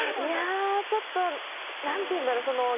いやあちょっと何て言うんだろう